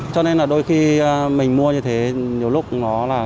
cho nên là đôi khi mình mua như thế nhiều lúc nó là